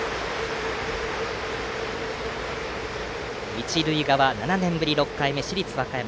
一塁側７年ぶり６回目、市立和歌山。